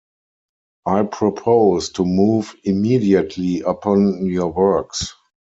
I propose to move immediately upon your works.